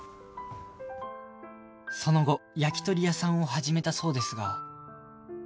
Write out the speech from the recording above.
その後焼き鳥屋さんを始めたそうですが